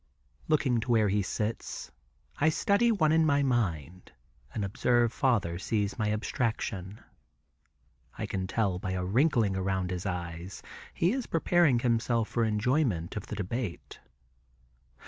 _ Looking to where he sits, I study one in my mind, and observe father sees my abstraction. I can tell by a wrinkling around his eyes, he is preparing himself for enjoyment of the debate.